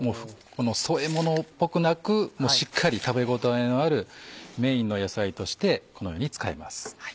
添え物っぽくなくしっかり食べ応えのあるメインの野菜としてこのように使います。